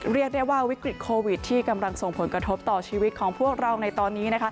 เรียกได้ว่าวิกฤตโควิดที่กำลังส่งผลกระทบต่อชีวิตของพวกเราในตอนนี้